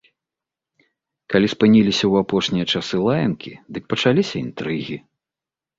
Калі спыніліся ў апошнія часы лаянкі, дык пачаліся інтрыгі.